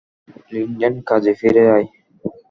Linden, কাজে ফিরে আয়!